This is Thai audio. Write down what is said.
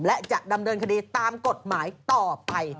และจะดำเนินคดีตามกฎหมายต่อไป